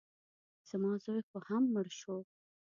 زما زوی خو هم مړ شو.